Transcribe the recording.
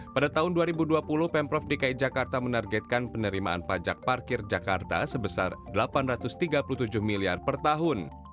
pada tahun dua ribu dua puluh pemprov dki jakarta menargetkan penerimaan pajak parkir jakarta sebesar rp delapan ratus tiga puluh tujuh miliar per tahun